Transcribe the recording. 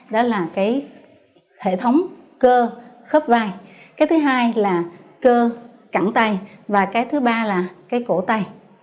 đó là hệ thống cơ khớp vai cơ cẳng tay và cổ tay